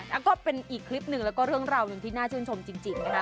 แล้วก็เป็นอีกคลิปหนึ่งแล้วก็เรื่องราวหนึ่งที่น่าชื่นชมจริงนะคะ